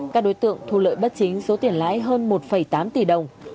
các đối tượng thu lợi bất chính số tiền lãi hơn một tám tỷ đồng